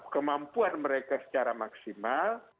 kemampuan mereka secara maksimal